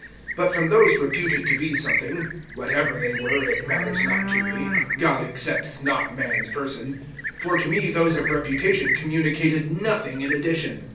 (6)But from those reputed to be something, whatever they were[2:6], it matters not to me, God accepts not man's person, for to me those of reputation communicated nothing in addition.